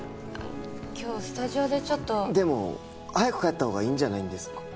今日スタジオでちょっとでも早く帰ったほうがいいんじゃないんですか？